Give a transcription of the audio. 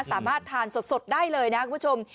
สามารถทานสดได้เลยนะคุณผู้ชม